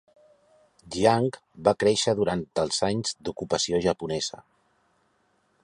Jiang va créixer durant els anys d'ocupació japonesa.